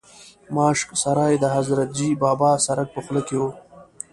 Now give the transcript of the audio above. ماشک سرای د حضرتجي بابا سرک په خوله کې و.